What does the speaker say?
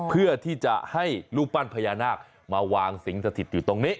เพื่อที่จะให้รูปปั้นพญานาคมาวางสิงสถิตอยู่ตรงนี้